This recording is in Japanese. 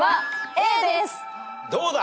どうだ？